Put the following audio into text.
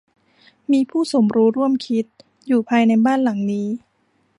มีผู้สมรู้ร่วมคิดอยู่ภายในบ้านหลังนี้